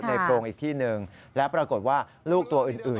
โพรงอีกที่หนึ่งและปรากฏว่าลูกตัวอื่น